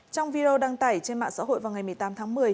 trong video đăng tải trên mạng xã hội vào ngày một mươi tám tháng một mươi